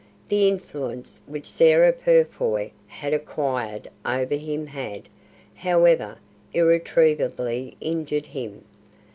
The influence which Sarah Purfoy had acquired over him had, however, irretrievably injured him.